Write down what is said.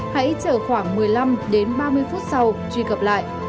hãy chờ khoảng một mươi năm đến ba mươi phút sau truy cập lại